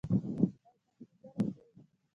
اوتښتیدلی دي